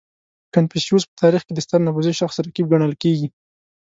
• کنفوسیوس په تاریخ کې د ستر نفوذي شخص رقیب ګڼل کېږي.